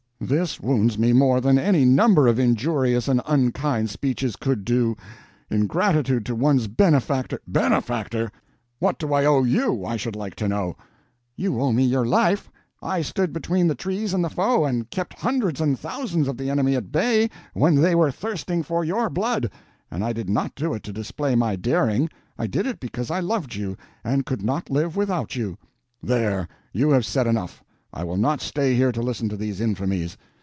This wounds me more than any number of injurious and unkind speeches could do. In gratitude to one's benefactor—" "Benefactor? What do I owe you, I should like to know?" "You owe me your life. I stood between the trees and the foe, and kept hundreds and thousands of the enemy at bay when they were thirsting for your blood. And I did not do it to display my daring. I did it because I loved you and could not live without you." "There—you have said enough! I will not stay here to listen to these infamies.